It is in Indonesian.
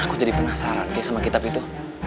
aku jadi pengasaran kei sama kitab itu